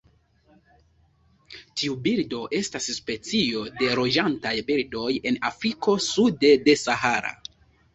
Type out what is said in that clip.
Tiu birdo estas specio de loĝantaj birdoj en Afriko sude de Sahara.